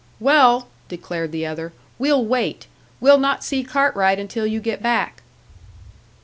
"Well," declared the other, "we'll wait. We'll not see Cartwright until you get back."